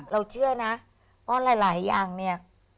เชื่อนะเพราะหลายอย่างเนี่ย